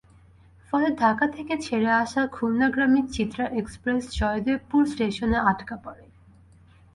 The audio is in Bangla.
ফলে ঢাকা থেকে ছেড়ে আসা খুলনাগামী চিত্রা এক্সপ্রেস জয়দেবপুর স্টেশনে আটকা পড়ে।